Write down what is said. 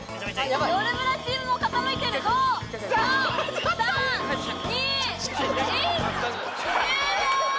よるブラチームも傾いている５４３２１終了！